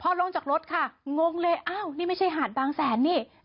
พอลงจากรถค่ะงงเลยอ้าวนี่ไม่ใช่หาดบางแสนนี่